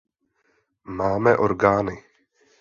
Máme orgány.